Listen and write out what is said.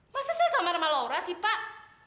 masa saya kamar sama laura sih pak